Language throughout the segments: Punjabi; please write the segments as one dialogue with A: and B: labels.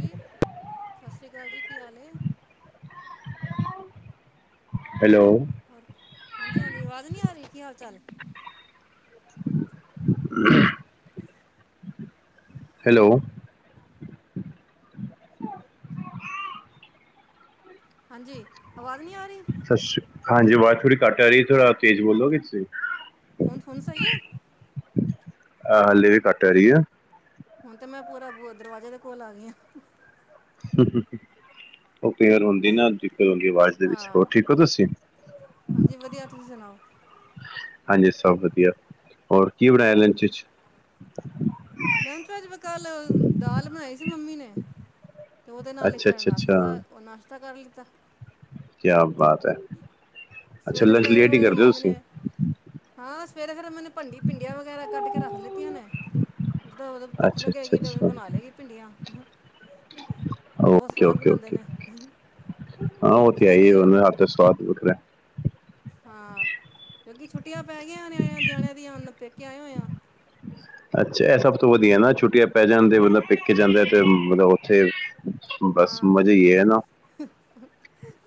A: ਸਤਿ ਸ਼੍ਰੀ ਕਾਲ ਜੀ ਕੀ ਹਾਲ ਐ?
B: ਹੈਲੋ,
A: ਹਾਂਜੀ ਹਾਂਜੀ, ਆਵਾਜ਼ ਨਹੀਂ ਆ ਰਹੀ ਕੀ ਹਾਲ ਚਾਲ?
B: [unintelligible] ਹੈਲੋ,
A: ਹਾਂਜੀ, ਆਵਾਜ਼ ਨਹੀਂ ਆ ਰਹੀ।
B: ਸਤਿ ਸ਼੍ਰੀ ਹਾਂਜੀ, ਆਵਾਜ਼ ਥੋੜ੍ਹੀ ਘੱਟ ਆ ਰਹੀ ਐ ਥੋੜ੍ਹਾ ਤੇਜ਼ ਬੋਲੋਗੇ ਤੁਸੀਂ?
A: ਹੁਣ ਹੁਣ ਸਹੀ ਐ।
B: ਆਹ ਹਾਲੇ ਵੀ ਘੱਟ ਆ ਰਹੀ ਆ।
A: ਹੁਣ ਤੇ ਮੈਂ ਪੂਰਾ ਦਰਵਾਜੇ ਦੇ ਕੋਲ ਆ ਗਈ ਆ।
B: ਉਹ ਫਿਰ ਹੁੰਦੀ ਨਾ ਦਿੱਕਤ ਹੁੰਦੀ ਆਵਾਜ਼। ਹੋਰ
A: ਹਾਂ
B: ਠੀਕ ਹੋ ਤੁਸੀਂ?
A: ਹਾਂਜੀ ਵਧੀਆ ਤੁਸੀਂ ਸੁਣਾਓ
B: ਹਾਂਜੀ, ਸਭ ਵਧੀਆ ਹੋਰ ਕੀ ਬਣਾਇਆ
A: ਹੂੰ
B: ਲੰਚ ਵਿੱਚ।
A: ਲੰਚ ਵਿੱਚ ਵੀ ਕੱਲ ਦਾਲ ਬਣਾਈ ਸੀ ਮੰਮੀ ਨੇ। ਤੇ ਉਹਦੇ ਨਾਲ ਹੀ
B: ਅੱਛਾ
A: ਫਿਰ
B: ਅੱਛਾ
A: ਨਾਸ਼ਤਾ
B: ਅੱਛਾ
A: ਕਰ ਨਾਸ਼ਤਾ ਕਰ ਲਿੱਤਾ।
B: ਕਿਆ ਬਾਤ ਐ।
A: ਸਵੇਰੇ ਸਵੇਰੇ ਫਿਰ ਮੰਮੀ ਨੇ ਹਾਂ ਸਵੇਰੇ ਫਿਰ ਮੰਨੇ ਨੇ ਭੰਡੀ ਭਿੰਡੀਆਂ ਵਗੈਰਾ ਕੱਢ ਕੇ ਰੱਖ ਲਿੱਤੀਆਂ ਨੇ। ਜਦ ਓਦੋ ਭੁੱਖ
B: ਅੱਛਾ ਅੱਛਾ
A: ਲੱਗੇਗੀ ਤੇ ਫਿਰ
B: ਅੱਛਾ
A: ਬਣਾ ਲੇਗੀ ਭਿੰਡੀਆਂ। ਬਹੁਤ
B: ਓਕੇ
A: ਸਵਾਦ
B: ਓਕੇ
A: ਬਣਾਦੇ
B: ਓਕੇ
A: ਨੇ
B: ਹਾਂ ਉਹ ਤੇ ਹੈ
A: ਤੁਸੀਂ ਕੀ
B: ਹੀ ਉਹਨਾਂ ਦਾ ਹੱਥ ਦਾ ਸਵਾਦ ਵੱਖਰਾ।
A: ਹਾਂ, ਕਿਉਂਕਿ ਛੁੱਟੀਆਂ ਪੈ ਗਈਆਂ ਨਿਆਣੇ ਦਿਣਿਆਂ ਦੀ ਅੰਨ ਪੇਕੇ ਆਏ ਹੋਏ ਆ।
B: ਅੱਛਾ, ਇਹ ਸਭ ਤੋਂ ਵਧੀਆ ਨਾ ਛੁੱਟੀਆਂ ਪੈ ਜਾਣਦੇ ਮਤਲਬ ਪਿੱਕੇ ਜਾਂਦੇ ਤੇ ਮਤਲਬ ਉੱਥੇ ਬਸ
A: ਹਾਂ
B: ਮਜੇ ਈ ਹੈ ਨਾ।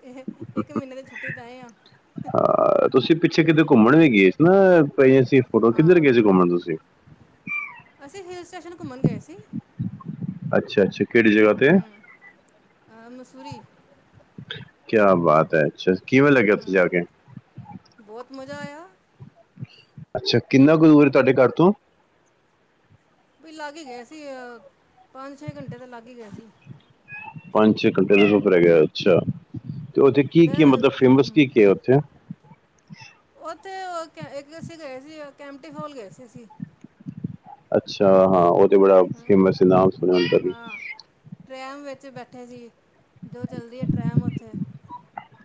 A: ਇਹ ਇੱਕ ਮਹੀਨੇ ਦੀ ਛੁੱਟੀ ਤੇ ਆਏ ਆ।
B: ਹਾਂ, ਤੁਸੀਂ ਪਿੱਛੇ ਕਿਤੇ ਘੁੰਮਣ ਵੀ ਗਏ ਸੀ ਨਾ ਅਸੀਂ ਫੋਟੋ ਕਿੱਧਰ
A: ਹਾਂ
B: ਗਏ ਸੀ ਘੁੰਮਣ ਤੁਸੀਂ
A: ਅਸੀਂ ਹਿਲ ਸਟੇਸ਼ਨ ਘੁੰਮਣ ਗਏ ਸੀ।
B: ਅੱਛਾ ਅੱਛਾ ਕਿਹੜੀ ਜਗ੍ਹਾ ਤੇ?
A: ਹੂੰ ਮਸੂਰੀ।
B: ਕਿਆ ਬਾਤ ਹੈ ਅੱਛਾ ਕਿਵੇਂ ਲੱਗਿਆ ਉੱਥੇ ਜਾ
A: ਹੂੰ
B: ਕੇ।
A: ਬਹੁਤ ਮਜ਼ਾ ਆਇਆ।
B: ਅੱਛਾ ਕਿੰਨਾ ਕੁ ਦੂਰ ਤੁਹਾਡੇ ਘਰ ਤੋਂ।
A: ਵੀ ਲੱਗ ਹੀ ਗਿਆ ਸੀ ਪੰਜ ਛੇ ਘੰਟੇ ਤਾਂ ਲੱਗ ਹੀ ਗਿਆ ਸੀ
B: ਪੰਜ ਛੇ ਘੰਟੇ ਉੱਪਰ ਐ ਗਿਆ ਅੱਛਾ ਤੇ ਉੱਥੇ ਕੀ ਕੀ
A: ਦਰ
B: ਮਤਲਬ ਫੇਮ
A: ਹੂੰ
B: ਕੀ ਕੀ ਹੈ ਉੱਥੇ।
A: ਉੱਥੇ ਉਹ ਇੱਕ ਅਸੀਂ ਗਏ ਸੀ ਕੈਂਪਟੀ ਫੋਲ ਗਏ ਸੀ ਅਸੀਂ।
B: ਅੱਛਾ ਹਾਂ ਉਹ ਤੇ ਬੜਾ
A: ਹੂੰ
B: ਫੇਮਸ ਹੈ ਨਾਮ ਸੁਣਿਆ ਦਾ ਵੀ
A: ਹਾਂ ਟ੍ਰੈਮ ਵਿੱਚ ਬੈਠੇ ਸੀ ਜੋ ਚੱਲਦੀ ਐ ਟ੍ਰੈਮ ਉੱਥੇ।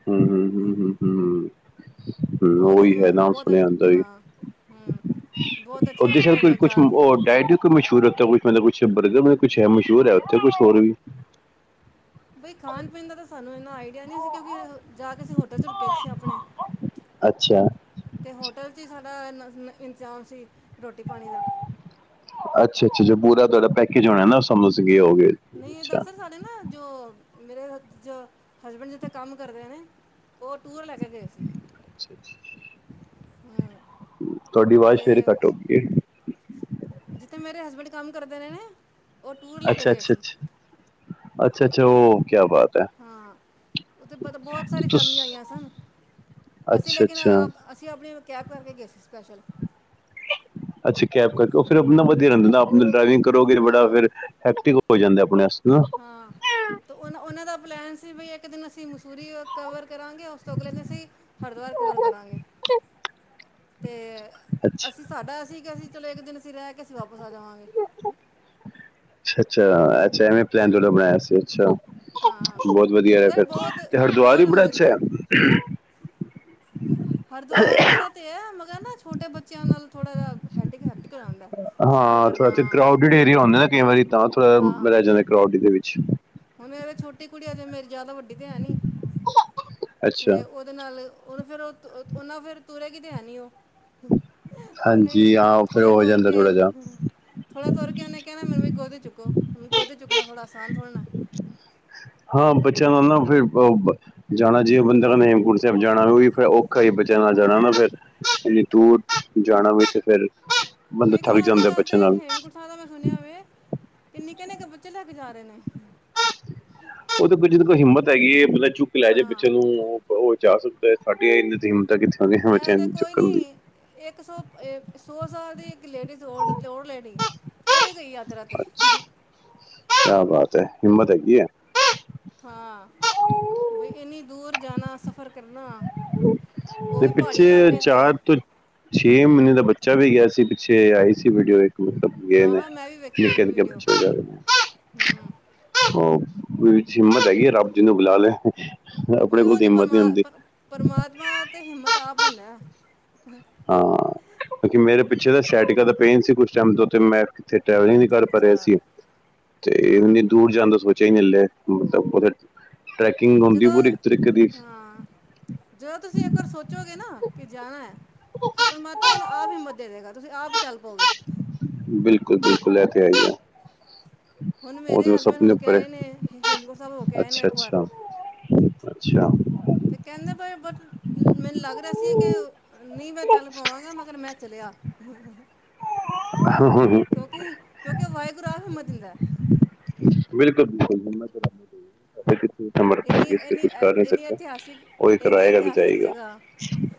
B: ਹਮ ਹਮ ਹਮ ਹਮ ਹਮ
A: ਬਹੁਤ
B: ਉਹੀ ਹੈ
A: ਮ-
B: ਨਾਮ
A: ਬਹੁਤ
B: ਸੁਣਿਆ
A: ਅੱਛ-
B: ਏਦਾਂ ਵੀ
A: ਹਾਂ ਹੂੰ ਬਹੁਤ
B: ਔਰ
A: ਅੱਛਾ ਲੱਗਿਆ
B: ਕੋਈ
A: ਜਾ
B: ਕੁਛ
A: ਜਾ ਕੇ
B: ਉਹ ਡਾਇਟ ਮਸ਼ਹੂਰ ਉੱਥ ਕੁਛ ਮਤਲਬ ਕੁਛ ਬਰਗਰ ਮਤਲਬ ਕੁਛ ਮਸ਼ਹੂਰ ਹੈ ਉੱਥੇ ਕੁਛ ਹੋਰ ਵੀ।
A: ਬਈ ਖਾਣ ਪੀਣ ਦਾ ਤਾਂ ਸਾਨੂੰ ਇਨਾ ਆਈਡੀਆ ਨੀ ਸੀ ਕਿਉਂਕਿ ਜਾ ਕੇ ਅ ਪਤਾ [unintelligible] ਤੁਸੀਂ ਆਪਣੇ
B: ਅੱਛਾ
A: ਤੇ ਹੋਟਲ ਚ ਹੀ ਸਾਡਾ ਇੰਤਜ਼ਾਮ ਸੀ ਰੋਟੀ ਪਾਣੀ ਦਾ।
B: ਅੱਛਾ ਅੱਛਾ, ਪੂਰਾ ਤੁਹਾਡਾ ਪੈਕੇਜ ਹੋਣਾ ਨਾ ਸੀਗੇ ਹੋਗੇ।
A: ਨਹੀਂ
B: ਅੱਛਾ
A: ਦਰਆਸਲ ਨਾ ਜੋ ਮੇਰੇ ਹਸਬੈਂਡ ਜਿੱਥੇ ਕੰਮ ਕਰਦੇ ਨੇ। ਉਹ ਟੂਰ ਲੈ ਕੇ ਗਏ ਸੀ ਹਮ।
B: ਤੁਹਾਡੀ ਆਵਾਜ਼ ਫੇਰ ਘੱਟ ਹੋ ਗਈ।
A: ਜਿੱਥੇ ਮੇਰੇ ਹਸਬੈਂਡ ਕੰਮ ਕਰਦੇ ਰਹੇ ਨੇ। ਉਹ ਟੂਰ ਲੈ ਕੇ
B: ਅੱਛਾ
A: ਗਏ
B: ਅੱਛਾ, ਅੱਛਾ
A: ਸੀ
B: ਅੱਛਾ, ਅੱਛਾ ਉਹ ਕਿਆ ਬਾਤ। ਹੈ
A: ਹਾਂ, ਉੱਥੇ ਬ ਬਹੁਤ ਸਾਰੀਆ
B: ਤੁਸ
A: ਫੈਮਲੀਆਂ ਆਈਆਂ ਸਨ। ਅਸੀਂ
B: ਅੱਛਾ
A: ਲੇਕਿਨ
B: ਅੱਛਾ
A: ਆਪ ਅਸੀਂ ਆਪਣੀ ਕੈਬ, ਕਰਕੇ ਗਏ ਸੀ ਸਪੈਸ਼ਲ?
B: ਅੱਛਾ, ਕੈਬ ਕਰਕੇ ਫਿਰ ਆਪਣਾ ਵਧੀਆ ਰਹਿੰਦਾ ਨਾ, ਆਪ ਡਰਾਈਵਿੰਗ ਕਰੋਗੇ ਬੜਾ,
A: ਹਾਂ
B: ਫ ਹੋ ਜਾਂਦੇ, ਆਪਣੇ ਅਸਤੇ ਤਾਂ
A: ਹਾਂ, ਅਤੇ ਉਹ ਉਹਨਾਂ ਦਾ ਪਲੈਨ ਸੀ ਵੀ, ਇੱਕ ਦਿਨ ਅਸੀਂ ਮਸੂਰੀ ਕਵਰ ਕਰਾਂਗੇ, ਉਸ ਤੋਂ ਅਗਲੇ ਅਸੀਂ ਹਰਿਦੁਵਾਰ ਕਵਰ, ਕਰਾਂਗੇ ਤੇ
B: ਅੱਛਾ
A: ਅਸੀਂ ਸਾਡਾ ਅਸੀਂ, ਕਿ ਅਸੀਂ ਚਲੋ ਇੱਕ ਦਿਨ ਅਸੀਂ ਰਹਿ ਕੇ ਅਸੀਂ ਵਾਪਸ ਆ ਜਾਵਾਂਗੇ
B: ਅੱਛਾ -ਅੱਛਾ -ਅੱਛਾ, ਐਵੇਂ ਪਲੈਨੋਂ ਬਣਾਇਆ ਸੀ ਅੱਛਾ।
A: ਹਾਂ
B: ਬਹੁਤ ਵਧੀਆ, ਰਿਆ
A: ਮਤਲਬ
B: ਫਿਰ
A: ਬਹੁਤ
B: ਤੇ, ਹਰਿਦੁਵਰ ਵੀ
A: ਬਹੁਤ
B: ਬੜਾ
A: ਮ-
B: ਅੱਛਾ ਹੈ?
A: ਹਰਿੁਦੁਆਰ ਅੱਛਾ ਤੇ ਹੈ, ਮਗਰ ਨਾ ਛੋਟੇ ਬੱਚਿਆਂ ਨਾਲ ਥੋੜਾ ਜਹਾ, ਹੈਟ ਹੈਟ ਮੁਸ਼ਕਿਲ ਆਉਂਦਾ, ਸਫ਼ਰ ਕਰਨਾ
B: ਏ ਹੁੰਦਾ ਨਾ ਕਈ ਵਾਰੀ ਤਾਂ
A: ਹਾਂ
B: ਡਾਂਸ ਰਹਿ ਜਾਂਏ ਕਰੋਡ ਦੇ ਵਿੱਚ
A: ਹੁਣ ਮੇਰੀ ਛੋਟੀ ਕੁੜੀ, ਤ ਅਜੇ ਮੇਰੀ ਜ਼ਿਆਦਾ ਵੱਡੀ ਤੇ, ਹੈ ਨਈ
B: ਅੱਛਾ
A: ਤੇ ਉਹਦੇ ਨਾਲ, ਹੁਣ ਫੇਰ ਉ ਤੁਰੇ ਗੀ, ਤੇ ਹੈ ਨਈ ਉਹ ਉਹਨੇ,
B: ਹਾਂਜੀ ਹਾਂ ਫਿਰ
A: ਥੋੜ੍ਹਾ
B: ਹੋ
A: ਤੁਰ
B: ਜਾਂਦਾ
A: ਕੇ
B: ਥੋੜਾ ਜਿਹਾ
A: ਥੋੜਾ ਤੁਰ ਕੇ, ਉਹਨੇ ਕਹਿਣਾ, ਮੈਨੂੰ ਵੀ ਗੋੱਦੀ ਚੁਕੋ, ਹੁਣ ਗੋਦੀ ਚੁੱਕਣਾ ਆਸਾਨ, ਥੋੜਾ ਨ
B: ਹਾਂ, ਬੱਚਿਆਂ ਨਾਲ ਨਾ ਫਿਰ ਜਾਣਾ, ਜਿਵੇ ਬੰਦੇ ਦਾ
A: ਹੂੰ
B: ਨੇਮ ਜਾਣਾ ਵੀ ਫਿਰ ਔਖਾ ਹੀ ਬਚਿਆ ਨਾਲ ਜਾਣਾ ਨਾ,
A: ਹਾਂ
B: ਫੇਿਰ ਇਨੀ ਦੂਰ ਜਾਣਾ, ਵੀ ਏ ਤੇ ਫੇਿਰ ਬੰਦਾ
A: ਲੇਕਿਨ
B: ਥੱਕ
A: ਅੱਜ
B: ਜਾਂਦਾ,
A: ਕੱਲ
B: ਬੱਚਿਆ
A: ਤੇ
B: ਨਾਲ
A: ਹੇਮਕੁਟਾਂ ਮੈਂ ਸੁਣਿਆ ਵੇ ਕਿ ਨਿੱਕੇ -ਨਿੱਕੇ ਬੱਚੇ, ਲੈ ਕੇ ਜਾ ਰਹੇ ਨੇ
B: ਉਹਦੇ ਤੇ ਜਿਦੇ ਚ ਹਿੰਮਤ ਹੈਗੀ ਏ, ਬੰਦਾ ਝੁੱਕ ਲੈ, ਜੇ
A: ਹਾਂ
B: ਪਿੱਛੇ ਨੂੰ ਉਹ ਜਾ ਸਕਦਾ ਹੈ, ਸਾਡੀਆਂ ਇੰਮਤਾਂ ਕਿੱਥੇ, ਬੱਚਿਆਂ ਨੂੰ ਚੱਕਣ ਦੀ
A: ਇੱਕ, ਸੌ -ਸੌ ਸਾਲ ਦੀ, ਇੱਕ ਲੇਡੀਜ਼? ਤੋੜ- ਤੋੜ ਲੇਡੀ ਏ, ਉਹ ਵੀ ਗਈ ਯਾਤਰਾ ਤੇ
B: ਕਿਆ ਬਾਤ ਹੈ, ਹਿੰਮਤ ਹੈਗੀ ਹੈ।
A: ਹਾਂ, ਬਈ ਇੰਨੀ ਦੂਰ ਜਾਣਾਾ, ਸਫ਼ਰ ਕਰਨਾ ਉਹ
B: ਤੇ
A: ਵੀ ਪਹਾੜੀ
B: ਪਿੱਛੇ
A: ਇਲਾਕੇ ਤੇ
B: ਚਾਰ ਤੋਂ [inaudible] ਛੇ ਮਹੀਨੇ ਦਾ, ਬੱਚਾ ਵੀ ਗਿਆ ਸੀ, ਪਿੱਛੇ ਆਈ ਸੀ ਵੀਡੀਓ, ਇੱਕ ਮਤਲਬ ਗਏ
A: ਹਾਂ
B: ਨੇ,
A: ਹਾਂ ਮੈਂ ਵੀ ਵੇਖੀ ਸੀ
B: ਨਿਕੇ
A: ਉਹ
B: -ਨਿਕੇ
A: ਵੀਡੀਓ
B: ਬੱਚੇ, ਗਏ ਨੇ
A: ਹੂੰ
B: ਉਹ ਵਿਚ ਹਿੰਮਤ ਹੈਗੀ ਆ ਰੱਬ ਜਿਹਨੂੰ ਬੁਲਾ ਲੈ ਆਪਣੇ
A: ਬਈ
B: ਕੋਲ
A: ਉਹ
B: ਤਾਂ,
A: ਤੇ
B: ਹਿੰਮਤ ਨੀ
A: ਪਰਮਾ-
B: ਹੁੰਦੀ
A: ਪਰ- ਪਰਮਾਤਮਾ, ਤੇ ਹਿੰਮਤ ਆਪ ਦਿੰਦਾ, ਆ
B: ਹਾਂ ਕਿਉਂਕਿ ਮੇਰੇ ਪਿੱਛੇ ਦਾ ਸੈਟਿਕ ਦਾ ਪੇਨ ਸੀ। ਕੁਛ ਟਾਈਮ ਤੋਂ ਤੇ ਮੈਂ ਕਿਥੇ ਟੈਵਲਿੰਗ ਨਈ,
A: ਅੱਛਾ
B: ਕਰ ਪਾ ਰਿਹਾ
A: ਅੱਛਾ
B: ਸੀ। ਤੇ
A: ਹਾਂ
B: ਇੰਨੀ ਦੂਰ ਜਾਂਦਾ, ਸੋਚ ੇਜਿਨ ਲੈ ਉ ਟਰੈਕਿੰਗ ਹੁੰਦੀ,
A: ਜਦੋਂ
B: ਪੂਰੇ ਇੱਕ ਤਰੀਕੇ ਦੀ
A: ਹਾਂ ਜਦੋਂ, ਤੁਸੀਂ ਇੱਕ ਵਾਰ ਸੋਚੋਗੇ ਨਾ, ਕਿ ਜਾਣਾ ਏ ਤੇ ਪਰਮਾਤਮਾ, ਤੁਹਾਨੂੰ ਆਪ ਹਿੰਮਤ ਦੇ ਦੇਗਾ, ਤੁਸੀਂ ਆਪ ਹੀ ਚੱਲ, ਪੋਗੇ
B: ਬਿਲਕੁਲ -ਬਿਲਕੁਲ ਐ ਤੇ ਹੈ ਈ ਅ
A: ਹੁਣ ਮੇਰੇ, ਹਸਬੈਂਡ ਹੋ ਕੇ
B: ਉੱਪਰ ਹੈ
A: ਆਏ ਨੇ, ਹੇਮਕੁੰਡ ਸਾਹਿਬ ਹੋ ਕੇ ਆਏ ਨੇ,
B: ਅੱਛਾ
A: ਇੱਕ ਵਾਰ
B: ਅੱਛਾ ਅੱਛਾ।
A: ਤੇ ਕਹਿੰਦੇ, ਬਟ ਮੈਨੂੰ ਲੱਗਦਾ ਦਸੀ ਕਿ ਨਹੀਂ, ਮੈਂ ਚੱਲ ਪਾਵਾਂਗਾ, ਮਗਰ ਮੈਂ ਚਲਿਆ
B: ਹਾਂ ਹਮ ਹਮ [inaudible]
A: ਕਿਉਂਕਿ -ਕਿਉਂਕਿ, ਵਾਹਿਗੁਰੂ ਆਪ, ਹਿਮਤ ਦਿੰਦਾ।
B: ਬਿਲਕੁਲ ਬਿਲਕੁਲ ਜਥੇ [inaudible] ਅੰਮ੍ਰਿਤ
A: ਇੰਨੀ
B: ਵੇਲੇ
A: ਇੰਨੀ
B: ਕੁਛ
A: ਅ-
B: ਕਰ ਨੀ
A: ਇੰਨੀ
B: ਸਕੇ,
A: ਇਤਿਹਾਸਿਕ
B: ਉਹਹੀ
A: ਇੰਨੀ
B: ਕਿਰਾਏ ਤੇ
A: ਇਤਿਹਾਸਿਕ
B: ਜਾਇਗਾ
A: ਜਗ੍ਹਾ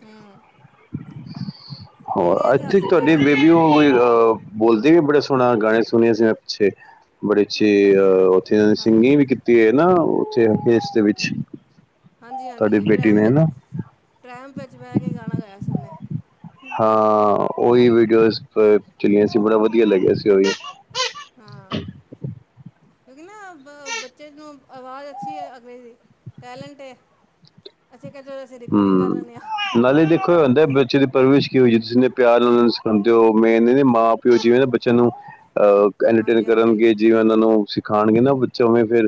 A: ਹੂੰ ਇੰਨੀ
B: ਅੱਜ ਈ
A: ਇਤਿਹਾਸਿਕ
B: ਤੁਹਾਡੀੇ,
A: ਜਗ੍ਹਾ ਵੇ
B: ਬਿਲਓ ਅ, ਬੋਲਦੀ ਵੀ ਬੜਾ ਸੋਹਣਾ, ਗਾਣਾ ਸੁਣਇਆ ਸੀ ਮੈਂ ਪਿੱਛੇ। ਬੜੇ
A: ਅੱਛਾ ਅੱਛਾ
B: ਉੱਥੇ
A: ਹਾਂਜੀ
B: ਸਿੰਗਿੰਗ ਵੀ ਕੀਤੀ ਹੈ ਨਾ, ਉੱਥੇ ਫੇਸ ਦੇ ਵਿੱਚ ਤੁਹਾਡੀ
A: ਹਾਂਜੀ-ਹਾਂਜੀ
B: ਬੇਟੀ
A: ਟ੍ਰੈਮ
B: ਨੇ
A: ਵਿੱਚ
B: ਹਨਾ।
A: ਟ੍ਰੈਮ ਵਿੱਚ ਬਹਿ ਕੇ, ਗਾਣਾ ਗਾਇਆ ਸੀ ਉਹਨੇ
B: ਹਾਂ, ਉਹੀ ਵੀਡੀਓਜ਼ ਚਲੀਆਂ ਸੀ। ਬੜਾ ਵਧੀਆ ਲੱਗਿਆ ਸੀ। ਉਹੀ
A: ਹਾਂ, ਕਿਉਂਕਿ ਨਾ ਬੱਚੇ ਨੂੰ ਆਵਾਜ਼ ਅੱਛੀ ਐ, ਅਗਲੇ ਦੀ। ਟੈਲੈਂਟ ਏ, ਅਸੀਂ ਕਿਹਾ ਅਸੀਂ ਰਿਕੋਡਿੰਗ ਕਰ
B: ਹੂੰ।
A: ਲੈਂਦੇ ਹਾਂ।
B: ਨਾਲੇ ਦੇਖੋ ਹੁੰਦਾ ਬੱਚੇ ਦੀ ਪਰਵਿਸ਼ ਕੀ ਹੋਈ ਐ, ਤੁਸੀਂ ਇਨੇ ਪਿਆਰ ਨਾਲ ਸਿਖਾਂਦੇ ਹੋ, ਮੇਨ ਇਹਦੇ ਮਾਂ ਪਿਓ ਜਿਵੇਂ ਨਾ
A: ਹਾਂ
B: ਬੱਚਿਆਂ ਨੂੰ ਅਹ ਐੰਟਰਟੇਨ
A: ਹਾਂਜੀ ਹਾਂਜੀ
B: ਕਰਨਗੇ। ਜਿਵੇਂ ਉਹਨਾਂ ਨੂੰ ਸਿਖਾਣਗੇ ਨਾ, ਬੱਚਾ ਉਵੇਂ ਫੇਰ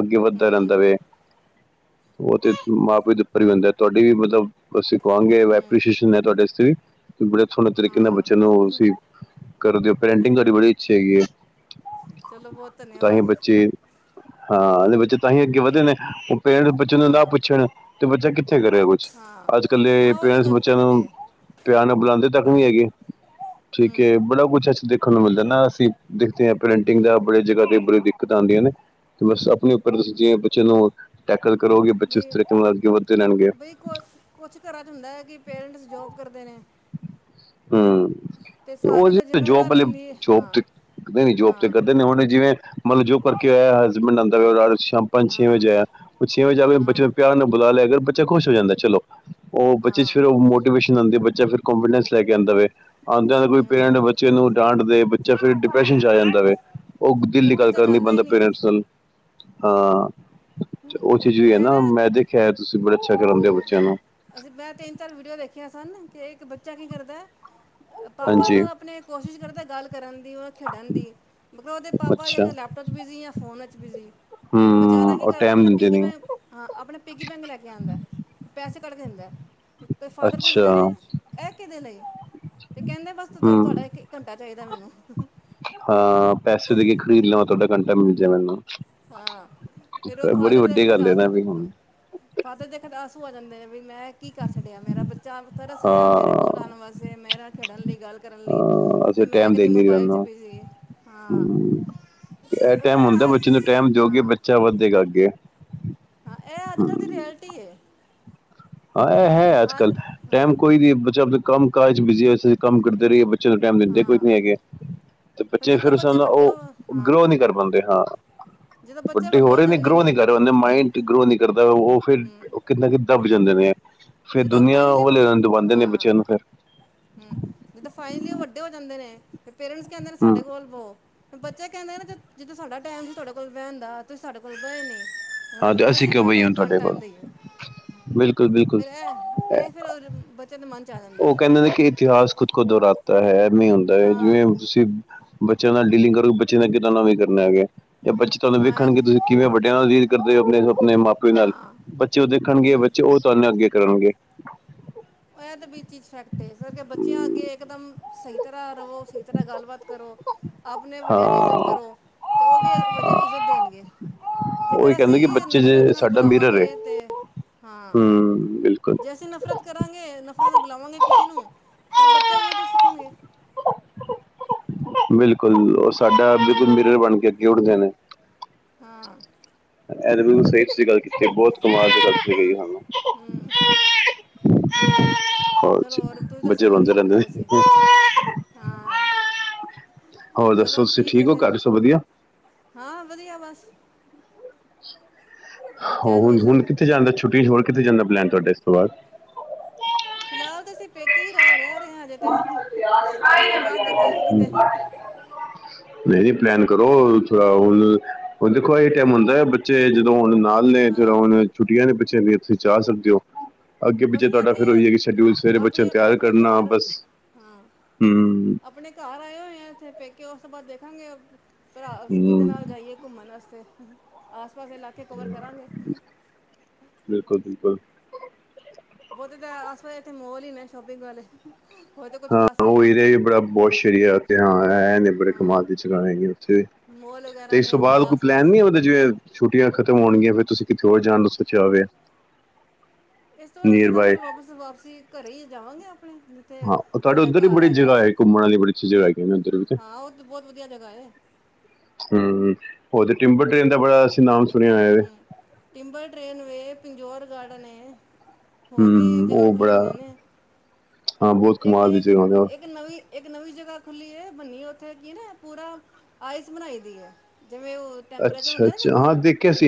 B: ਅੱਗੇ ਵੱਧਦਾ
A: ਹੂੰ
B: ਰਹਿੰਦਾ ਵੇ। ਉਹ ਤੇ ਮਾਂ- ਪਿਓ ਉੱਪਰ ਵੀ ਹੁੰਦੈ, ਤੁਹਾਡੀ ਵੀ ਮਤਲਬ ਅਸੀਂ ਕਹਾਂਗੇ
A: ਹੂੰ
B: ਐਪਰੀਸ਼ੀਏਸ਼ਨ ਐ ਤੁਹਾਡੇ ਵਾਸਤੇ ਵੀ, ਬੜੇ ਸੋਹਣੇ ਤਰੀਕੇ ਨਾਲ
A: ਹਾਂ
B: ਬੱਚਿਆਂ ਨੂੰ ਅਸੀਂ ਕਰਦੇ ਹੋ, ਪੇਂਟਿੰਗ ਤੁਹਾਡੀ ਬੜੀ ਅੱਛੀ ਹੈਗੀ ਐ,
A: ਚਲੋ ਬਹੁਤ
B: ਤਾਂਹੀ
A: ਧੰਨਵਾਦ
B: ਬੱਚੇ ਹਾਂ ਇਹਦੇ ਬੱਚੇ ਤਾਂਹੀ ਅੱਗੇ ਵਧੇ ਨੇ, ਉਹ ਬੱਚੇ ਨੂੰ ਨਾ
A: ਹਾਂ
B: ਪੁੱਛਣ ਤੇ ਬੱਚਾ ਕਿੱਥੇ ਕਰੇਗਾ ਕੁਛ,
A: ਹਾਂ
B: ਅੱਜ- ਕੱਲ੍ਹ
A: ਹਾਂ ਉਹ ਤਾਂ
B: ਪੇਰੈਂਟਸ
A: ਗੱਲ
B: ਬੱਚਿਆਂ
A: ਫੈਕਟ
B: ਨੂੰ
A: ਹੈ
B: ਪਿਆਰ ਨਾਲ ਬੁਲਾਂਦੇ ਤੱਕ ਵੀ ਨਹੀਂ ਹੈਗੇ, ਠੀਕ
A: ਹੂੰ
B: ਏ, ਬੜਾ ਕੁਛ ਅੱਛਾ ਦੇਖਣ ਨੂੰ ਮਿਲਦਾ ਨਾ, ਅਸੀਂ ਦੇਖਦੇ ਹਾਂ, ਪ੍ਰੀਟਿੰਗ ਦਾ
A: ਹੂੰ
B: ਬੜੀ ਜਗ੍ਹਾ ਤੇ ਬੜੀ ਦਿੱਕਤ ਆਂਦੀਆਂ ਨੇ, ਤੇ
A: ਹੂੰ
B: ਬਸ ਆਪਣੇ ਉੱਪਰ ਦੱਸਦੀ ਬੱਚੇ ਨੂੰ ਟੈਕਲ ਕਰੋਗੇ, ਬੱਚੇ ਉਸ ਤਰੀਕੇ ਨਾਲ ਅੱਗੇ ਵੱਧਦੇ ਰਹਿਣਗੇ।
A: ਤੇ ਕੁਛ- ਕੁਛ ਘਰਾਂ ਚ ਹੁੰਦਾ, ਕਿ ਪੇਰੈਂਟਸ ਜੋਬ ਕਰਦੇ ਨੇ।
B: ਹੂੰ,
A: ਤੇ
B: ਉਹ
A: ਸਾਰੇ 'ਚ
B: ਜੋਬ
A: ਜ਼ਿੰਮੇਵਾਰੀ
B: ਪਹਿਲੇ,
A: ਹੁੰਦੀ ਹੈ
B: ਜੋਬ
A: ਹਾਂ
B: ਤੇ ਨ ਜੋਬ ਤੇ
A: ਹਾਂ
B: ਕਰਦੇ ਨੇ, ਹੁਣ ਜਿਵੇਂ ਮਤਲਬ ਜੋ ਕਰਕੇ ਆਇਆ, ਹਸਬੈਂਡ ਆਂਦਾ ਹਰ ਰੋਜ਼ ਸ਼ਾਮ ਪੰਜ ਛੇ
A: ਹਾਂ
B: ਵਜੇ ਆਇਆ, ਉਹ ਛੇ ਵਜੇ ਆ ਕੇ ਬੱਚੇ
A: ਹਾਂ
B: ਨੂੰ ਪਿਆਰ ਨਾਲ ਬੁਲਾ ਲਿਆ ਕਰ, ਬੱਚਾ ਖੁਸ਼ ਹੋ ਜਾਂਦਾ ਚਲੋ। ਉਹ ਬੱਚੇ ਚ
A: ਹਾਂ
B: ਫੇਰ ਉਹ ਮੋਟੀਵੇਸ਼ਨ ਆਂਦੀ, ਬੱਚਾ ਫੇਰ ਕੋਂਨਫੀਡੈਂਸ ਲੈ ਕੇ ਆਂਦਾ ਵੇ। ਆਂਦਿਆਂ ਦੇ ਕੋਈ
A: ਹੂੰ
B: ਪੇਰੈਂਟਸ ਬੱਚੇ ਨੂੰ ਡਾਂਟ ਦੇ ਜਾਂ ਫਿਰ
A: ਨਾ
B: ਡਿਪਰੈਸ਼ਨ ਆ
A: ਨਾ
B: ਜਾਂਦਾ ਵੇ, ਉਹ ਦਿਲ
A: ਫਿਰ
B: ਦੀ ਗੱਲ
A: ਬੱਚਾ
B: ਕਰ ਨੀ
A: ਜਾਂਦਾ
B: ਪਾਂਦਾ
A: ਹੀ ਨਹੀਂ
B: ਪੇਰੈਂਟਸ ਨਾਲ, ਹਾਂ। ਉਹ ਚੀਜ਼ ਵੀ ਐ ਨਾ, ਮੈਂ ਦੇਖਿਆ ਤੁਸੀਂ ਬੜਾ ਅੱਛਾ ਕਰਾਂਦੇ ਹੋ
A: ਹੂੰ
B: ਬੱਚਿਆਂ ਨੂੰ।
A: ਅਸੀਂ ਮੈਂ ਤਿੰਨ ਚਾਰ ਵੀਡੀਓ ਦੇਖੀਆਂ ਸਨ, ਕਿ ਇੱਕ ਬੱਚਾ ਕੀ ਕਰਦਾ ਪਾਪਾ
B: ਹਾਂਜੀ
A: ਨਾਲ ਆਪਣੇ ਕੋਸ਼ਿਸ਼ ਕਰਦਾ ਗੱਲ ਕਰਨ ਦੀ, ਉਹਦੇ ਨਾਲ ਖੇਡਣ ਦੀ। ਮਤਲਬ ਉਹਦੇ ਪਾਪਾ
B: ਅੱਛਾ
A: ਲੈਪਟੋਪ ਚ ਬਿਜੀ ਆ, ਜਾਂ ਫੋਨ ਵਿੱਚ ਬਿਜੀ ਆ। ਫੇਰ ਬਚਾਰਾ
B: ਹੂੰ
A: ਕੀ
B: ਉਹ
A: ਕਰਦਾ,
B: ਟਾਈਮ
A: ਆਪਣਾ
B: ਦਿੰਦੇ
A: ਪਿੱਗੀ
B: ਨੀ
A: ਮੈਂ ਹਾਂ ਆਪਣੇ ਪਿੱਗੀ ਬੈਂਕ ਲੈ ਕੇ ਆਂਦਾ, ਪੈਸੇ ਕੱਢ ਕੇ ਦਿੰਦਾ। ਤੇ ਫਾਦਰ ਪੁੱਛਦੇ
B: ਅੱਛਾ
A: ਨੇ, ਇਹ ਕਿਹਦੇ ਲਈ। ਤੇ ਕਹਿੰਦੇ ਬਸ, ਤੁ
B: ਹੂੰ
A: ਤੁਹਾਡਾ ਇੱਕ ਘੰਟਾ ਚਾਹੀਦਾ ਮੈਨੂੰ।
B: ਹਾਂ, ਪੈਸੇ ਦੇ ਕੇ ਖਰੀਦ ਲਾਂ। ਜੇ ਮਿਲ ਜੇ ਮੈਨੂੰ।
A: ਹਾਂ, ਫਿਰ ਉਹ
B: ਬੜੀ
A: ਫਾਦਰ ਦੇ
B: ਵੱਡੀ
A: ਅੱਖਾਂ ਚ
B: ਗੱਲ ਹੈ ਨਾ ਵੀ
A: ਹ
B: ਹੁਣ
A: ਫਾਦਰ ਦੇ ਅੱਖਾਂ ਚ ਆਂਸੂ ਆ ਜਾਂਦੇ ਨੇ, ਵੀ ਮੈਂ ਕੀ ਕਰ ਛਡਿਆ, ਮੇਰਾ ਬੱਚਾ ਤਰਸ
B: ਹਾਂ
A: ਰਿਹਾ ਮੇਰੇ ਕੋ ਕੋਲ ਆਣ ਵਾਸਤੇ, ਮੇਰੇ ਨਾਲ ਖੇਡਣ ਲਈ, ਗੱਲ ਕਰਨ ਲਈ।
B: ਹਾਂ
A: ਤੇ
B: ਅਸੀਂ
A: ਮੈਂ
B: ਟੈਮ
A: ਕਦੀ
B: ਦਿੰਦੇ ਨੀ ਉਹਨਾਂ
A: ਮੋਬਾਈਲ 'ਚ
B: ਨੂੰ,
A: ਬਿਜ਼ੀ ਹਾਂ
B: ਹੂੰ ਇਹ
A: ਪਰ
B: ਟੈਮ ਹੁੰਦਾ
A: ਆ-
B: ਬੱਚੇ ਨੂੰ ਟੈਮ ਦਿਓਗੇ,
A: ਹਾਂ
B: ਬੱਚਾ ਵੱਧੇਗਾ ਅੱਗੇ।
A: ਹਾਂ, ਇਹ ਅੱਜ-
B: ਹੂੰ
A: ਕੱਲ੍ਹ ਦੀ ਰਿਐਲਟੀ ਏ।
B: ਹਾਂ ਇਹ ਹੈ ਅੱਜ-ਕੱਲ੍ਹ, ਟੈਮ
A: ਹਾਂ
B: ਕੋਈ ਨਹੀਂ, ਬੱਚਾ ਆਪ ਕੰਮ- ਕਾਜ ਬਿਜ਼ੀ, ਕੰਮ ਕਰਦੇ ਰਹੀਏ। ਸਹੀ ਟੈਮ ਦਿੰਦੇ ਕੋਈ
A: ਹਾਂ
B: ਨੀ ਹੈਗੇ ਆ। ਤੇ
A: ਪਰ
B: ਬੱਚੇ ਫਿਰ
A: ਜਦੋਂ
B: ਉਸ ਨਾਲ,
A: ਵੱਡੇ
B: ਉਹ
A: ਹੋ
B: ਗਰੋ
A: ਹਾਂ
B: ਨਹੀਂ ਕਰ ਪਾਂਦੇ ਹਾਂ। ਵੱਡੇ ਹੋ ਰਹੇ ਨੇ, ਗਰੋ ਨੀ ਕਰ ਰਹੇ, ਉਹਦੇ ਮਾਇੰਡ ਗਰੋ ਨੀ ਕਰਦਾ, ਉਹ ਫਿਰ ਕਿੰਨਾ ਕਿ ਦੱਬ ਜਾਂਦੇ ਨੇ, ਫੇਰ
A: ਜਦੋਂ
B: ਦੁਨੀਆਂ
A: ਫਾਈਨਲੀ
B: ਓਹਲੇ ਦਬਾਂਦੇ ਨੇ,
A: ਹਾਂ
B: ਬੱਚਿਆਂ ਨੂੰ ਫੇਰ
A: ਹੂੰ, ਜਿੱਦਾਂ ਫਾਈਨਲੀ ਉਹ ਵੱਡੇ ਹੋ ਜਾਂਦੇ ਨੇ, ਤੇ ਪੇਰੈਂਟਸ ਕਹਿੰਦੇ ਨੇ
B: ਹੂੰ
A: ਸਾਡੇ ਕੋਲ ਬਹੋ ਬੱਚੇ ਕਹਿੰਦੇ ਨਾ, ਜਦੋਂ ਸਾਡਾ ਟੈਮ ਸੀ ਤੁਹਾਡੇ ਕੋਲ ਬਹਿਣ ਦਾ, ਤੁਸੀਂ ਸਾਡੇ ਕੋਲ ਬਏ ਨੀ। ਹ
B: ਹਾਂ ਤੇ
A: ਹੁਣ ਅਸੀਂ
B: ਕਿਉਂ
A: ਕਿਵੇਂ
B: ਬਈਏ
A: ਤੁਾਨੂੰ
B: ਹੁਣ
A: ਤੁਹਾਨੂੰ
B: ਤੁਹਾਡੇ
A: ਟੈਮ
B: ਕੋਲ
A: ਦਈਏ।
B: ਬਿਲਕੁਲ- ਬਿਲ
A: ਫੇਰ ਇਹ- ਇਹ ਫੇਰ ਬੱਚਿਆਂ ਦੇ ਮਨ ਚ ਆ ਜਾਂਦਾ।
B: ਇਨਕਾ ਇਤਿਹਾਸ ਖੁਦ ਕੋ ਦੁਹਰਾਤਾ ਹੈ, ਐਵੇਂ ਹੁੰਦਾ ਹੈ,
A: ਹਾਂ
B: ਜਿਵੇਂ ਤੁਸੀਂ ਬੱਚਿਆਂ ਨਾਲ ਡੀਲਿੰਗ ਕਰੋਗੇ, ਬੱਚੇ ਦਾ ਕਿਸੇ ਨਾਲ ਵੀ ਨੀ ਕਰਨਾ ਹੈਗਾ। ਜਾਂ ਬੱਚੇ ਤੁਹਾਨੂੰ
A: ਹਾਂ
B: ਵੇਖਣਗੇ, ਤੁਸੀਂ
A: ਇਹ-
B: ਕਿਵੇਂ ਵੱਡਿਆਂ ਨਾਲ ਡੀਲ ਕਰਦੇ ਹੋ, ਆਪਣੇ- ਆਪਣੇ ਮਾਪ ਕੋਈ ਗੱਲ
A: ਹਾਂ
B: ਨਹੀਂ, ਬੱਚੇ ਉਹ ਦੇਖਣਗੇ
A: ਹੂੰ
B: ਬੱਚੇ ਉਹ ਤੁਹਾਨੂੰ ਅੱਗੇ ਕਰਨਗੇ।
A: ਇਹ ਤੇ ਬ ਚੀਜ਼ ਸੈਟ ਏ, ਇਸ ਕਰਕੇ ਬੱਚਿਆਂ ਅੱਗੇ ਇਕਦਮ ਸਹੀ ਤਰਾਂ ਰਵੋ, ਸਹੀ ਤਰਾਂ ਗੱਲਬਾਤ ਕਰੋ, ਆਪ ਨੇ
B: ਹਾਂ
A: ਵੱਡਿਆਂ ਦੀ ਇੱਜ਼ਤ ਕਰੋ। ਤੇ ਉਹ ਵੀ ਇਸ ਵਜਾ ਇੱਜ਼ਤ ਦੇਣਗੇ।
B: ਉਹੀ
A: ਜੇਕਰ
B: ਕਹਿੰਦੇ ਕਿ
A: ਅਸੀਂ,
B: ਬੱਚੇ
A: ਨਫ਼ਰਤ
B: ਜੇ
A: ਨਾਲ
B: ਸਾਡਾ ਮਿਰਰ ਹੈ
A: ਬੁਲਾਵਾਂਗੇ। ਤੇ ਹਾਂ,
B: ਹਮ ਬਿਲਕੁਲ
A: ਜੈ ਅਸੀ ਨਫ਼ਰਤ। ਕਰਾਂਗੇ, ਨਫ਼ਰਤ ਨਾਲ ਬੁਲਾਵਾਂਗੇ ਕਿਸੇ ਨੂੰ, ਫੇਰ ਬੱਚਾ ਵੀੋ ਉਹੀ ਚਿਜ ਸਿੱਖਣਗੇ।
B: ਬਿਲਕੁਲ, ਉਹ ਸਾਡਾ ਬਿਲਕੁਲ
A: ਹੂੰ
B: ਮਿਰਰ, ਬਣ ਕੇ ਅੱਗੇ ਉੱਠਦੇ ਨੇ।
A: ਹਾਂ।
B: ਇਹ ਤੁਸੀਂ ਬਿਲਕੁਲ ਸਹੀ ਗੱਲ ਕੀਤੀ। ਬਹੁਤ ਕਮਾਲ ਦੀ ਗੱਲ ਕੀਤੀ ਗਈ ਜੀ, ਤੁਹਾਨੂੰ
A: ਹੂੰ
B: ਹਾ
A: ਚਲੋ
B: ਜੀ
A: ਹੋਰ ਤੁਸੀਂ ਦੱਸੋ
B: ਬੱਚੇ
A: ਹੋਰ
B: ਰੋਂਦੇ
A: ਕੀ
B: ਰਹਿੰਦੇ
A: ਕਰਦੇ ਪਏ
B: ਨੇ।
A: ਸੀ
B: ਬ-
A: ਹਾਂ।
B: ਹੋਰ ਦੱਸੋ
A: ਚਲੋ
B: ਤੁਸੀਂ
A: ਹੈ
B: ਠੀਕ ਹੋ, ਘਰ
A: ਫਿਰ
B: ਸਭ ਵਧੀਆ?
A: ਹਾਂ, ਵਧੀਆ ਬਸ। ਬੱਚਿਆਂ ਨੂੰ
B: ਉਹ
A: ਬਸ
B: ਹੁਣ ਕਿੱਥੇ ਜਾਂਣ ਦਾ, ਛੁੱਟੀਆਂ ਹੋਰ ਕਿੱਥੇ ਜਾਂਣ ਦਾ ਪਲੈਨ ਤੁਹਾਡੇ ਇਸ ਤੋਂ ਬਾਅਦ।
A: ਫਿਲਹਾਲ ਤਾਂ ਅਸੀਂ, ਪੇਕੇ ਹੀ ਰ ਰਹਿ ਰਹੇ ਹਾਂ। ਅਜੇ ਤੇ ਉਸ ਤੋਂ ਬਾਅਦ ਦੇਖਾਂਗੇ ਕਿਤੇ
B: [unintelligible] ਨਹੀਂ- ਨਹੀਂ, ਪਲੈਨ ਕਰੋ ਥੋੜਾ। ਹੁਣ, ਹੁਣ ਦੇਖੋ ਇਹ ਟਾਈਮ ਹੁੰਦਾ ਬੱਚੇ ਜਦੋਂ ਹੋਣ ਨਾਲ। ਹੱਲੇ ਤੇ
A: ਹਾਂ
B: ਹੁਣ ਛੁੱਟੀਆਂ ਨੇ, ਬੱਚਿਆਂ ਦੀਆਂ ਤੁਸੀਂ ਜਾ ਸਕਦੇ ਹੋ। ਅੱਗੇ
A: ਬਸ
B: ਪਿੱਛੇ
A: ਨਹੀਂ
B: ਤੁਹਾਡਾ ਫੇਰ,
A: ਇੱਥੇ
B: ਉਹੀ ਹੈ ਕਿ ਸ਼ਡਿਊਲ। ਸਵੇਰੇ ਬੱਚਿਆਂ ਨੂੰ
A: ਆਪਣੇ
B: ਤਿਆਰ
A: ਆਪਣੇ
B: ਕਰਨਾ।
A: ਘਰ
B: ਬਸ
A: ਹਾਂ,
B: ਹੂੰ
A: ਆਪਣੇ ਘਰ ਆਏ ਹੋਏ ਆ ਇੱਥੇ ਪੇਕੇ। ਉਸ ਤੋਂ ਬਾਅਦ ਦੇਖਾਂਗੇ ਭਰਾ ਕਿਹਦੇ
B: ਹੂੰ
A: ਨਾਲ ਜਾਈਏ। ਘੁੰਮਣ ਵਾਸਤੇ। ਆਸ- ਪਾਸ ਦੇ ਇਲਾਕੇ ਕਵਰ ਕਰਾਂਗੇ।
B: ਬਿਲਕੁਲ- ਬਿਲਕੁਲ।
A: ਬਹੁਤੇ ਤਾਂ ਆਸ- ਪਾਸ ਇਥੇ ਮੋਲ ਹੀ ਨੇ ਸ਼ੋਪਿੰਗ ਵਾਲੇ। ਹੋਰ ਤਾਂ ਕੁਝ
B: ਹਾਂ
A: ਖਾਸ ਹੈ
B: ਉਹੀ
A: ਨਹੀਂ
B: ਬੜਾ ਸ ਬਹੁਤ ਪੋਸ਼ ਏਰੀਆ ਹੈ ਇਥੇ। ਇਹ ਹੈ ਕਿ ਬੜੇ
A: ਹਾਂ
B: ਕਮਾਲ ਦੀ ਜਗਾਵਾਂ ਹੈ, ਉੱਥੇ।
A: ਮੋਲ
B: ਤੇ
A: ਵਗੈਰਾ
B: ਇਸ ਤੋਂ
A: ਨੇ ਫਿਰ
B: ਬਾਅਦ ਕੋਈ ਪਲੈਨ
A: ਆਸ-ਪਾਸ
B: ਨੀ ਆ। ਫੇਰ ਜਿਵੇਂ ਛੁੱਟੀਆਂ ਖਤਮ
A: ਹੂੰ
B: ਹੋਣਗੀਆਂ ਫੇਰ ਤੁਸੀਂ ਕਿਥੇ ਹੋਰ ਜਾਣ ਨੂੰ ਸੋਚਿਆ ਹੋਵੇ।
A: ਇਸ ਤੋਂ ਬਾਅਦ ਅਸੀਂ
B: ਨੀਅਰ
A: ਤਾਂ
B: ਬਾਏ
A: ਫੇਰ ਵਾਪਸ, ਵਾਪਸੀ ਘਰੇ ਹੀ ਜਾਵਾਂਗੇ ਆਪਣੇ। ਜਿੱਥੇ
B: ਹਾਂ, ਤੁਹਾਡੇ
A: ਸਾਡਾ
B: ਉੱਧਰ ਵੀ
A: ਘਰ
B: ਬੜੀ
A: ਹੈਗਾ
B: ਜਗਾ ਹੈ। ਘੁੰਮਣ ਵਾਲੀ ਬੜੀ ਅੱਛੀ ਜਗਾ, ਹੈਗੀੀਆਂ ਨੇ ਉੱਧਰ ਵੀ ਤੇ।
A: ਹਾਂ ਉਹ ਤਾਂ ਬਹੁਤ ਵਧੀਆ ਜਗ੍ਹਾ ਹੈ
B: ਹੂੰ, ਉਹ ਤੇ ਟਿੰਬਰ ਟੇਨ ਦਾ, ਬੜਾ ਅਸੀਂ ਨਾਮ ਸੁਣਿਆ ਹੋਇਆ ਵੇ
A: ਹੂੰ, ਟਿੰਬਲ ਟ੍ਰੇਨ ਵੇ, ਪਿੰਜੋਰ ਗਾਰਡਨ ਏ। ਹੋਰ ਵੀ
B: ਹੂੰ
A: ਜਗਾ
B: ਉਹ
A: ਖੁੱਲੀਆਂ
B: ਬੜਾ
A: ਹੋਈਆਂ ਨੇ।
B: ਹਾਂ ਬਹੁਤ ਕਮਾਲ ਦੀ
A: ਇੱਕ-ਇੱਕ,
B: ਜਗ੍ਹਾ ਨੇ ਉਹ।
A: ਇੱਕ ਨਵੀਂ। ਇੱਕ ਨਵੀਂ ਜਗਾ ਖੁੱਲੀ ਹੈ। ਬੰਨੀਏ ਉੱਥੇ ਕੀ ਨਾ ਪੂਰਾ ਆਇਸ ਬਣਾਈ ਦੀ ਹੈ। ਜਿਵੇਂ ਉਹ
B: ਅੱਛਾ-ਅੱਛਾ ਹਾਂ ਦੇਖਿਆ ਸੀ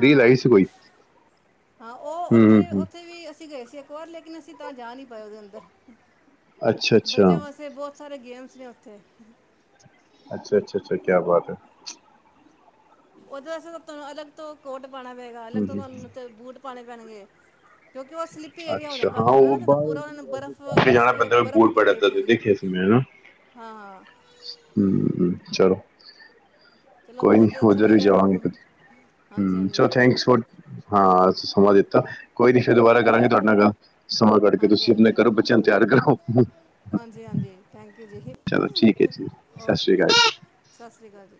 B: ਰੀਲ ਆਈ ਸੀ ਕੋਈ।
A: ਹਾਂ ਉਹ,
B: ਹੂੰ-ਹੂੰ
A: ਉੱਥੇ-ਉੱਥੇ ਵੀ ਅਸੀਂ ਗਏ ਸੀ ਇੱਕ ਵਾਰ। ਲੇਕਿਨ ਅਸੀਂ ਤਾਂ ਜਾ ਨਹੀਂ ਪਏ ਉਹਦੇ ਅੰਦਰ।
B: ਅੱਛਾ-ਅੱਛਾ।
A: ਬੱਚਿਆਂ ਵਾਸਤੇ ਬਹੁਤ ਸਾਰੇ ਗੇਮਸ ਨੇ ਉੱਥੇ।
B: ਅੱਛਾ-ਅੱਛਾ, ਅੱਛਾ ਕਿਆ ਬਾਤ ਹੈ।
A: ਉਹਦੇ ਵਾਸਤੇ ਤੁਹਾਨੂੰ ਅਲੱਗ ਤੋਂ ਕੋਟ ਪਾਉਣਾ ਪਏਗਾ। ਅਲੱਗ ਤੋਂ
B: ਹੂੰ-ਹੂੰ।
A: ਤੁਹਾਨੂੰ ਬੂਟ ਪਾਉਣੇ ਪੈਣਗੇ। ਕਿਉਂਕਿ ਉਹ ਸਲਿੱਪੀ ਏਰੀਆ ਹੋ ਜਾਂਦਾ ਬਣ ਜਾਂਦਾ ਨਾ। ਜਦੋਂ ਪੂਰਾ ਉਹਨਾਂ ਨੇ ਬਰਫ਼ ਸਓ ਬਰਫ਼ ਕੀਤੀ ਪੂਰੀ। ਹਾਂ।
B: ਹੂੰ, ਚਲੋ।
A: ਚਲੋ
B: ਕੋਈ ਨਹੀਂ,
A: ਬਹੁਤ ਅੱਛਾ
B: ਉਧਰ ਵੀ
A: ਲੱਗਿਆ
B: ਜਾਵਾਂਗੇ ਕਦੀ।
A: ਹਾਂਜੀ
B: ਹੂੰ, ਚਲੋ
A: ਹਾਂਜੀ
B: ਥੈਂਕਸ ਫੋਰ ਹਾਂ, ਸਮਾਂ ਦਿੱਤਾ ਕੋਈ ਨ ਫੇਰ ਦੁਬਾਰਾ
A: ਹਾਂਜੀ ਹਾਂਜੀ
B: ਕਰਾਂਗੇ ਤੁਹਾਡੇ
A: ਹਾਂਜੀ
B: ਨਾਲ ਗੱਲ। ਸਮਾਂ ਕੱਢ ਕੇ ਤੁਸੀਂ ਆਪਣੇ
A: ਹਾਂਜੀ
B: ਘਰੋ, ਬੱਚਿਆਂ ਨੂੰ ਤਿਆਰ ਕਰੋ।
A: ਹਾਂਜੀ ਹਾਂਜੀ ਥੈਂਕ ਯੂ ਜੀ
B: ਚਲੋ ਠੀਕ। ਓਕ ਜੀ, ਸਤਿ ਸ਼੍ਰੀ ਅਕਾਲ ਜੀ।
A: ਸਤਿ ਸ਼੍ਰੀ ਅਕਾਲ ਜੀ।